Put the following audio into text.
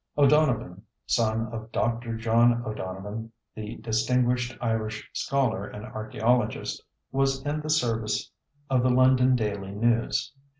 O'Donovan son of Dr. John O'Donovan, the distinguished Irish scholar and archaeologist was in the service of the London Daily News.